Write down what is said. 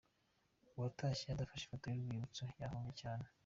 Uwatashye adafashe ifoto y'urwibutso yahombye cyane.